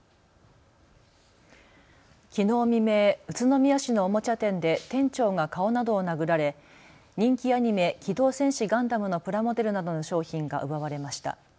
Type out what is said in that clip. きのう未明、宇都宮市のおもちゃ店で店長が顔などを殴られ人気アニメ、機動戦士ガンダムのプラモデルなどの商品が奪われました。